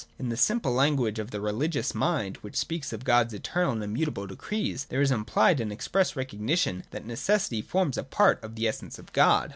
In the simple language of the religious mind which speaks of God's eternal and immutable decrees, there is implied an express recognition that necessity forms part of the essence of God.